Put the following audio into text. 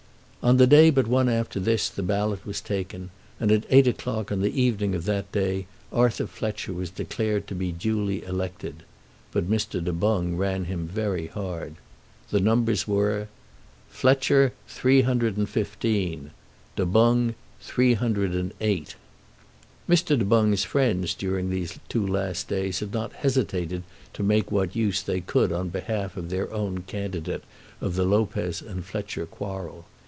On the day but one after this the ballot was taken, and at eight o'clock on the evening of that day Arthur Fletcher was declared to be duly elected. But Mr. Du Boung ran him very hard. The numbers were FLETCHER 315 DU BOUNG 308 Mr. Du Boung's friends during these two last days had not hesitated to make what use they could on behalf of their own candidate of the Lopez and Fletcher quarrel.